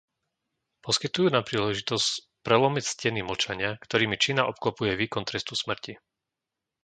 Poskytujú nám príležitosť prelomiť steny mlčania, ktorými Čína obklopuje výkon trestu smrti.